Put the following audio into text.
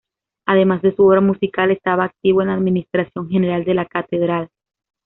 Además de su obra musical, estaba activo en la administración general de la catedral.